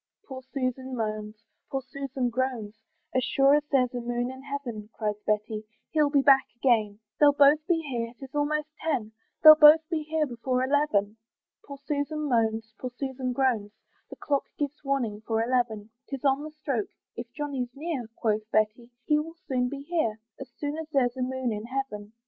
Poor Susan moans, poor Susan groans, "As sure as there's a moon in heaven," Cries Betty, "he'll be back again; "They'll both be here, 'tis almost ten, "They'll both be here before eleven." Poor Susan moans, poor Susan groans, The clock gives warning for eleven; 'Tis on the stroke "If Johnny's near," Quoth Betty "he will soon be here, "As sure as there's a moon in heaven."